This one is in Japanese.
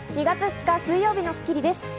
２月２日水曜日の『スッキリ』です。